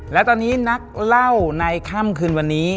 และตอนนี้นักเล่าในค่ำคืนวันนี้